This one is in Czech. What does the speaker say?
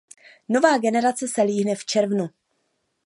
Nová generace se líhne v červnu.